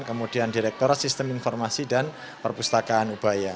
kemudian direkturat sistem informasi dan perpustakaan ubaya